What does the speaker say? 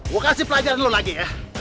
gue kasih pelajaran lo lagi ya